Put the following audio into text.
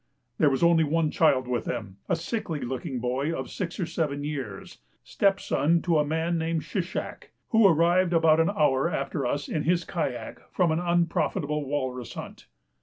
There was only one child with them, a sickly looking boy of six or seven years, stepson to a man named Shi shak, who arrived about an hour after us in his kayak from an unprofitable walrus hunt.